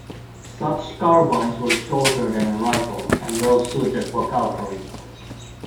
Such carbines were shorter than a rifle and well suited for cavalry.